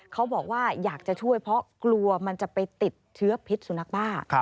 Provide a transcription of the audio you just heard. เขาบอกว่าอยากจะช่วยเพราะกลัวมันจะไปติดเชื้อพิษสุนัขบ้า